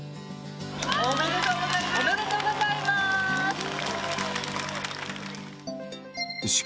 おめでとうございます！